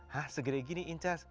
hah segera gini inces